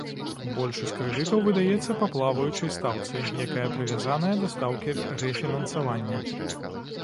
Большасць крэдытаў выдаецца па плаваючай стаўцы, якая прывязаная да стаўкі рэфінансавання.